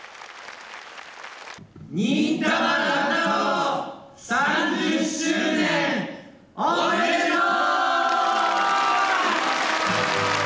「忍たま乱太郎」３０周年、おめでとう！